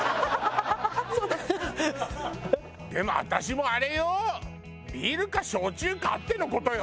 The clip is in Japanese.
でも私もあれよビールか焼酎があっての事よ。